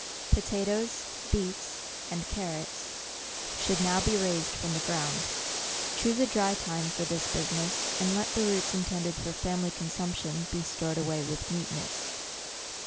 POTATOES, BEETS, and CARROTS, should now be raised from the ground. — Choose a dry time for this business, and let the roots intended for family consumption, be stored away with neatness.